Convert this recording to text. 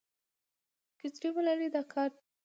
کچېرې ملالې دا کار